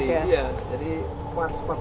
iya jadi part part